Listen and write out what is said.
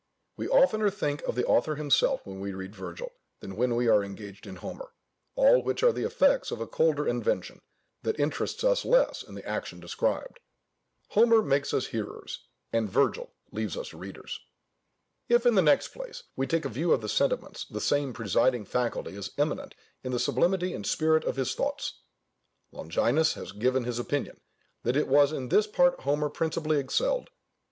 We oftener think of the author himself when we read Virgil, than when we are engaged in Homer, all which are the effects of a colder invention, that interests us less in the action described. Homer makes us hearers, and Virgil leaves us readers. If, in the next place, we take a view of the sentiments, the same presiding faculty is eminent in the sublimity and spirit of his thoughts. Longinus has given his opinion, that it was in this part Homer principally excelled.